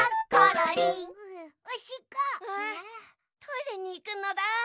トイレにいくのだ。